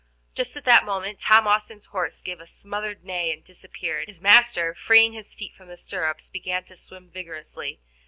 Just at that moment Tom Austin's horse gave a smothered neigh and disappeared. His master, freeing his feet from the stirrups, began to swim vigorously.